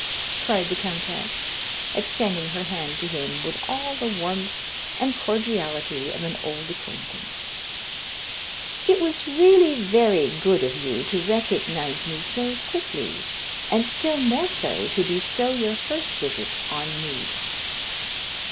cried the countess, extending her hand to him with all the warmth and cordiality of an old acquaintance; "it was really very good of you to recognize me so quickly, and still more so to bestow your first visit on me."